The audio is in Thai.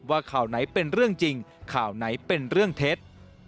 ว่าข่าวไหนเป็นเรื่องจริงข่าวไหนเป็นเรื่องเท็จ